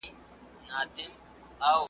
شګوفې په ټوله ښکلا غوړېدلي وې .